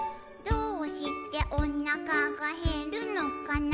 「どうしておなかがへるのかな」